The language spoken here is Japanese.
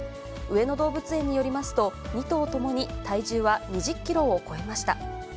上野動物園によりますと、２頭ともに体重は２０キロを超えました。